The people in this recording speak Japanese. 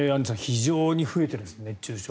非常に増えているんです熱中症。